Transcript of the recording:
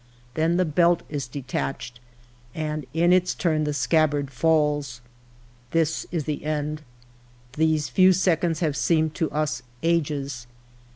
Then the belt is detached, and in its turn the scabbard falls. " This is the end. These few seconds have seemed to us ages.